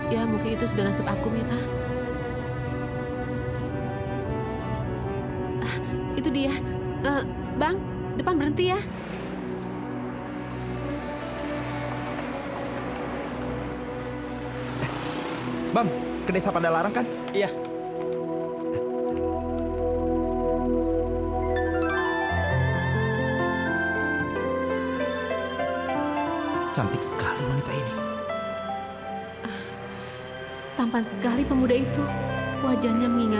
sampai jumpa di video selanjutnya